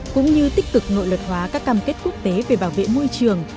cũng như tích cực nội luật hóa các cam kết quốc tế về bảo vệ môi trường